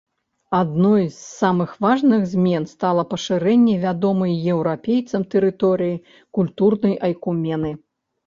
Адной з самых важных змен стала пашырэнне вядомай еўрапейцам тэрыторыі культурнай айкумены.